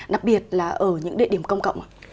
đặc biệt là ở những địa điểm công cộng